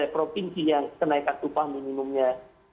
provinsi yang kenaikan upah minimumnya